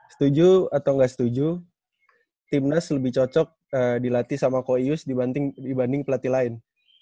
setuju atau gak setuju timnas lebih cocok dilatih sama kok yus dibanding pelatih lain